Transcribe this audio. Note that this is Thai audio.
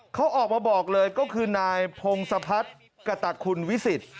เขาออกมาบอกเลยก็คือนายพงศพัฒน์กตะคุณวิสิทธิ์